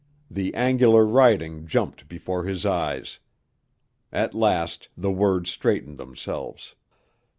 The angular writing jumped before his eyes. At last, the words straightened themselves.